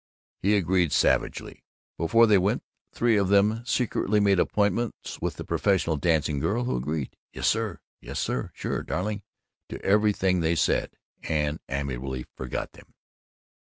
he agreed savagely. Before they went, three of them secretly made appointments with the professional dancing girl, who agreed "Yes, yes, sure, darling" to everything they said, and amiably forgot them.